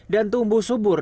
dan tumbuh subur